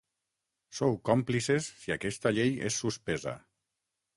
Sou còmplices si aquesta llei és suspesa.